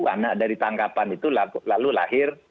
anak dari tangkapan itu lalu lahir